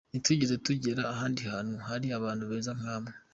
Ntitwigeze tugera ahandi hantu hari abantu beza nkamwe.